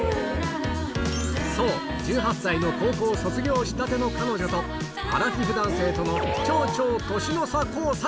そう、１８歳の高校卒業したての彼女と、アラフィフ男性との超超歳の差交際。